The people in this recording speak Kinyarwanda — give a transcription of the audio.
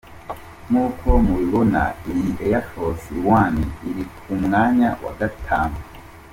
Nkuko mubibona iyi Air Force One iri ku mwanya wa Gatanu.